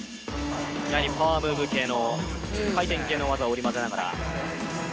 パワームーブ系の回転系の技を織り交ぜながら。